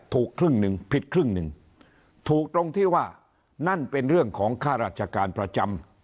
ครึ่งหนึ่งผิดครึ่งหนึ่งถูกตรงที่ว่านั่นเป็นเรื่องของค่าราชการประจำ